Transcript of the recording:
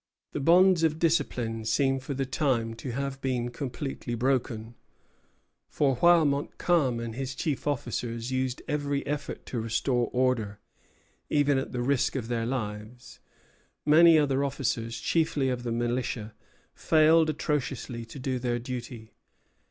The bonds of discipline seem for the time to have been completely broken; for while Montcalm and his chief officers used every effort to restore order, even at the risk of their lives, many other officers, chiefly of the militia, failed atrociously to do their duty.